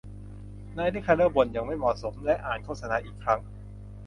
นายริคาร์โด้บ่นอย่างไม่เหมาะสมและอ่านโฆษณาอีกครั้ง